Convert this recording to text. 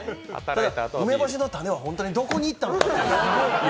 梅干しの種は本当にどこにいったんでしょう？